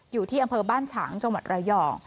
อยู่ที่อำเภอบ้านฉางจังหวัดระยอง